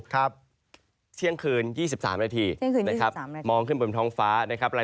เที่ยงคืน๒๓นาที